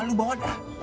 lu bawa dah